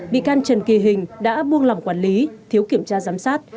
bị can trần kỳ hình đã buông lỏng quản lý thiếu kiểm tra giám sát